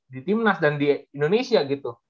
di timnas dan di indonesia gitu